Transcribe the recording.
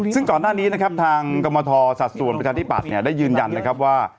ซึ่งก่อนหน้านี้ทางกรมธอศาสตร์ส่วนประชาธิปัตย์ได้ยืนยันว่า